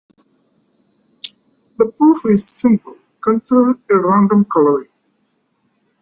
The proof is simple: Consider a random coloring.